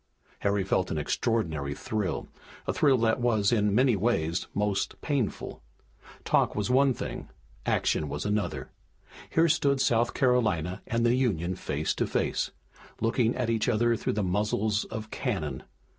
Harry felt an extraordinary thrill, a thrill that was, in many ways, most painful. Talk was one thing, action was another. Here stood South Carolina and the Union face to face, looking at each other through the muzzles of cannon.